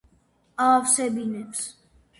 აავსებინებს